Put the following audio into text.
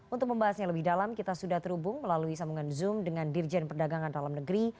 untuk membahasnya lebih dalam kita sudah terhubung melalui sambungan zoom dengan dirjen perdagangan dalam negeri